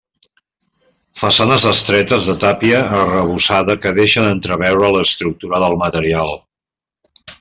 Façanes estretes de tàpia arrebossada que deixen entreveure l'estructura del material.